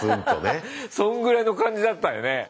そんぐらいの感じだったよね。